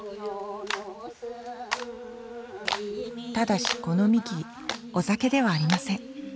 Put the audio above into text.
ただしこのみきお酒ではありません。